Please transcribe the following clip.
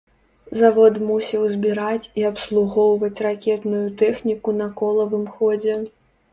Завод мусіў збіраць і абслугоўваць ракетную тэхніку на колавым ходзе.